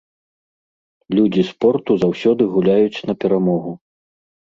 Людзі спорту заўсёды гуляюць на перамогу.